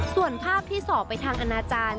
ส่วนภาพที่สอบไปทางอนาจารย์